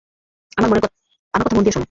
আমার কথা মন দিয়ে শোনো।